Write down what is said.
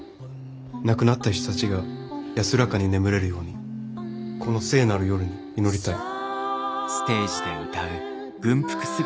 亡くなった人たちが安らかに眠れるようにこの聖なる夜に祈りたい。